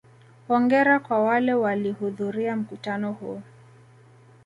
Hongera kwa wale walihudhuria mkutano huu.